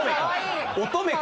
乙女か。